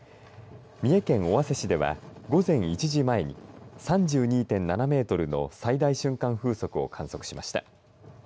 三重県尾鷲市では午前１時前に３２．７メートルの最大瞬間風速を観測しました。